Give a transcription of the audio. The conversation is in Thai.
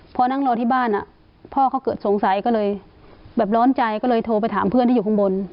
พอนั่งรอที่บ้านพ่อเขาเกิดสงสัยก็เลยแบบร้อนใจก็เลยโทรไปถามเพื่อนที่อยู่ข้างบน